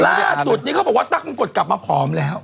ล่าสุดนี้เขาบอกว่าตั๊กมงกฎกลับมาผอมแล้ว